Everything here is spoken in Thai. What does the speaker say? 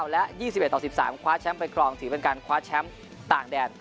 ๒๑๑๙และ๒๑๑๓ควาร์ดแชมป์ไปกรองถือเป็นการควาร์ดแชมป์ต่างแดน